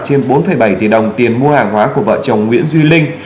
trên bốn bảy tỷ đồng tiền mua hàng hóa của vợ chồng nguyễn duy linh